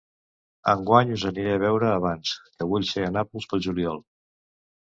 Enguany us aniré a veure abans, que vull ser a Nàpols pel juliol.